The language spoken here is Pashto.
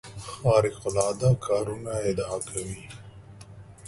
خارق العاده کارونو ادعا کوي.